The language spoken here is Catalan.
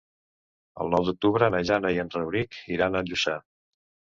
El nou d'octubre na Jana i en Rauric iran a Lluçà.